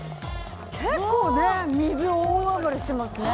結構ね水大暴れしてますね。